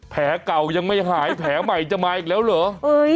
แผลเก่ายังไม่หายแผลใหม่จะมาอีกแล้วเหรอ